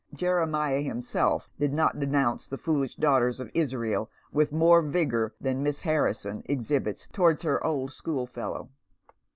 Jeremiah himself did not denounce the foolish daughters of Israel with more vigour than Miss Harrison exhibits towards her old schoolfellow.